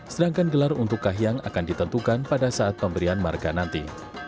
sedangkan gelar untuk kahiyang akan ditentukan pada saat pemberian marga nanti